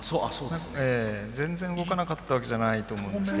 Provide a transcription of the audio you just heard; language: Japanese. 全然動かなかったわけじゃないと思うんですけど。